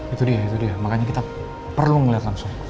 itu dia makanya kita perlu melihat langsung